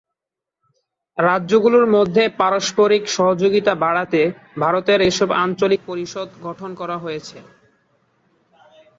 রাজ্যগুলোর মধ্যে পারস্পরিক সহযোগিতা বাড়াতে ভারতের এসব আঞ্চলিক পরিষদ গঠন করা হয়েছে।